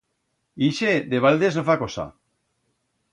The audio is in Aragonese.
Ixe, de baldes, no fa cosa.